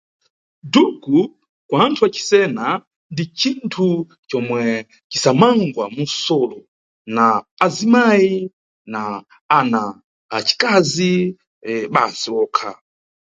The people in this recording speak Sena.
Dhuku kwa antu a cisena ndi cinthu comwe cisamangwa munsolo na azimayi na acikazi basi wokha.